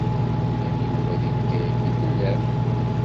Yenna-d Yuba deg Bgayet i tellam.